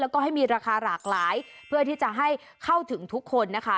แล้วก็ให้มีราคาหลากหลายเพื่อที่จะให้เข้าถึงทุกคนนะคะ